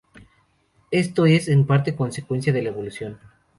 Esto es, en parte, consecuencia de la evolución.